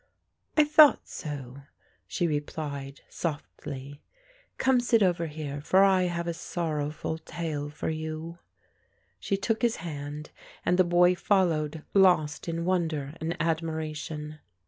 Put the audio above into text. "I thought so," she replied softly. "Come sit over here, for I have a sorrowful tale for you." She took his hand and the boy followed, lost in wonder and admiration.